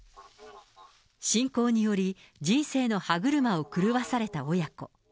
信仰により、人生の歯車を狂わされた親子。